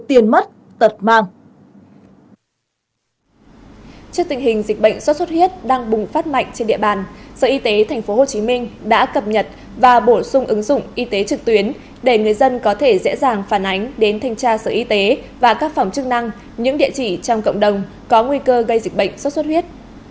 trước tình hình dịch bệnh xuất xuất huyết đang bùng phát mạnh trên địa bàn sở y tế tp hcm đã cập nhật và bổ sung ứng dụng y tế trực tuyến để người dân có thể dễ dàng phản ánh đến thanh tra sở y tế và các phòng chức năng những địa chỉ trong cộng đồng có nguy cơ gây dịch bệnh xuất xuất huyết